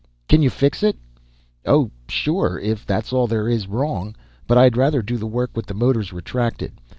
"Can you fix it?" "Oh, sure, if that's all there is wrong. But I'd rather do the work with the motors retracted.